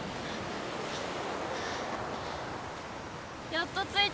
やっとついた！